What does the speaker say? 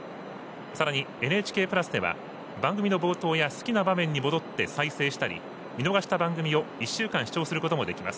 さらにＮＨＫプラスでは番組の冒頭や好きな場面に戻って再生したり見逃した番組を１週間視聴することもできます。